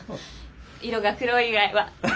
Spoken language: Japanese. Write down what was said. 色が黒い以外は。